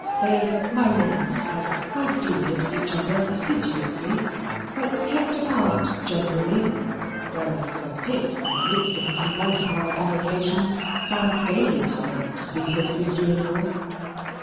They my loved and my deared each other assiduously, but kept apart generally, whereas Sir Pitt, in the midst of his multiplied avocations, found daily time to see his sister in law.